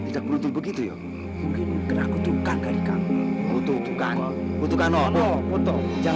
sampai jumpa di video selanjutnya